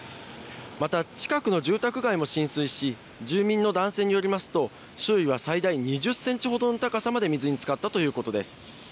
また近くの住宅街も浸水し、住民の男性によりますと、周囲は最大２０センチほどの高さまで水につかったということです。